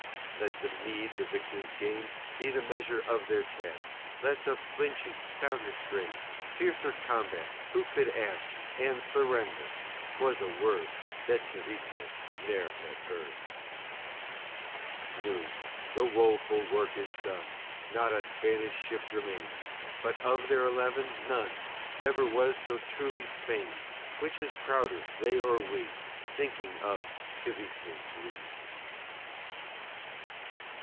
Let the meed the victors gain Be the measure of their task. Less of flinching, stouter strain, Fiercer combat who could ask? And "surrender," 'twas a word That Cavité ne'er had heard. Noon, the woful work is done! Not a Spanish ship remains; But, of their eleven, none Ever was so truly Spain's! Which is prouder, they or we, Thinking of Cavité's lee?